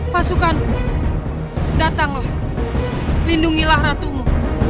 pasukan datanglah lindungilah ratumu